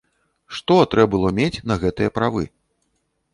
Што трэ было мець на гэтыя правы?